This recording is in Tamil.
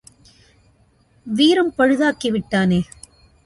வீரம் பழுதாக்கி விட்டானே!